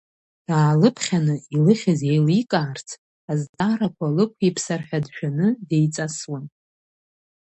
Даалыԥхьаны, илыхьыз еиликаарц, азҵаарақәа лықәиԥсар ҳәа дшәаны, деиҵасуан.